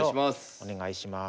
お願いします。